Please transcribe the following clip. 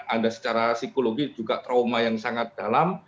anda secara psikologi juga trauma yang sangat dalam